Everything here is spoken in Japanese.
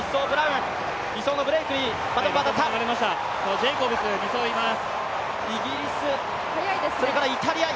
ジェイコブス、２走にいます。